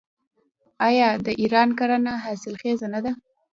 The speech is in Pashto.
آیا د ایران کرنه حاصلخیزه نه ده؟